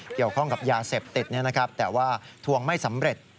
เกี่ยวข้องกับยาเสพติดแต่ว่าทวงไม่สำเร็จ